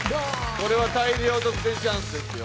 これは大量得点チャンスですよ。